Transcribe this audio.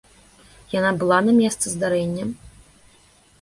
Яна была на месцы здарэння?